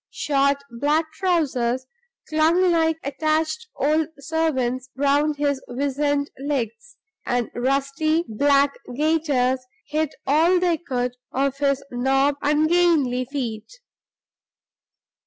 Short black trousers clung like attached old servants round his wizen legs; and rusty black gaiters hid all they could of his knobbed, ungainly feet.